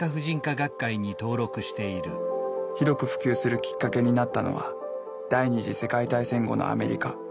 広く普及するきっかけになったのは第２次世界大戦後のアメリカ。